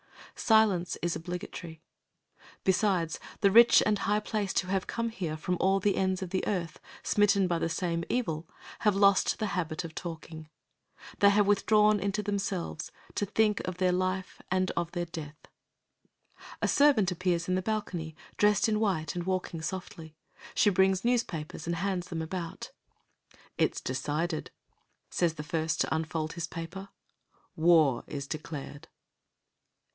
Silence is obligatory. Besides, the rich and high placed who have come here from all the ends of the earth, smitten by the same evil, have lost the habit of talking. They have withdrawn into themselves, to think of their life and of their death. A servant appears in the balcony, dressed in white and walking softly. She brings newspapers and hands them about. "It's decided," says the first to unfold his paper. "War is declared."